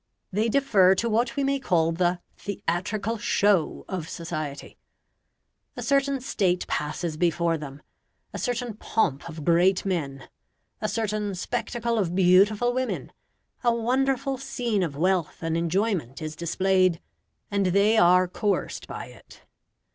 They defer to what we may call the THEATRICAL SHOW of society. A certain state passes before them; a certain pomp of great men; a certain spectacle of beautiful women; a wonderful scene of wealth and enjoyment is displayed, and they are coerced by it.